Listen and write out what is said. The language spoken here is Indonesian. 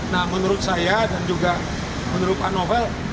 nah menurut saya dan juga menurut pak novel